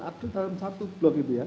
ada satu glock itu ya